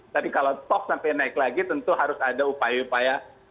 tapi kalau tok sampai naik lagi tentu harus ada upaya upaya